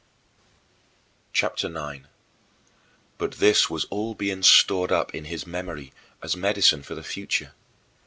CHAPTER IX 14. But this was all being stored up in his memory as medicine for the future.